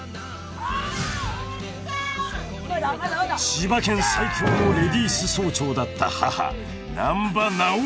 ［千葉県最強のレディース総長だった母難破ナオミ］